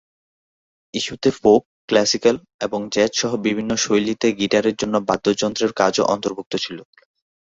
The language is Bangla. ইস্যুতে ফোক, ক্লাসিক্যাল এবং জ্যাজ সহ বিভিন্ন শৈলীতে গিটারের জন্য বাদ্যযন্ত্রের কাজও অন্তর্ভুক্ত ছিল।